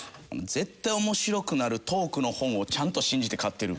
絶対面白くなるトークの本をちゃんと信じて買ってる。